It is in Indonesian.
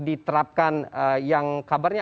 diterapkan yang kabarnya